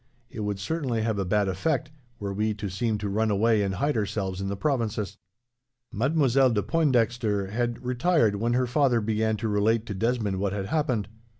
It would certainly have a bad effect, were we to seem to run away and hide ourselves in the provinces." Mademoiselle de Pointdexter had retired when her father began to relate to Desmond what had happened.